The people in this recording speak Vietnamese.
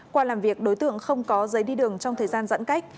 qua làm việc đối tượng không có giấy đi đường trong thời gian giãn cách